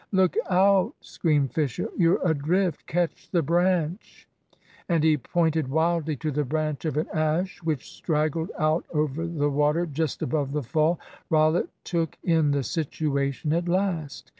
"Look out!" screamed Fisher. "You're adrift! Catch the branch!" And he pointed wildly to the branch of an ash which straggled out over the water just above the fall. Rollitt took in the situation at last.